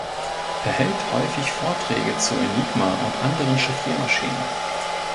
Er hält häufig Vorträge zur Enigma und anderen Chiffriermaschinen.